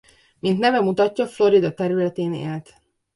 Mint neve mutatja Florida területén élt.